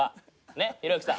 ね、ひろゆきさん。